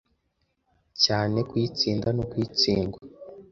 cyane kuyitsinda no kuyitsindwa